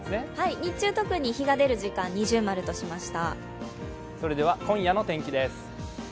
日中、特に日が出る時間、◎としました。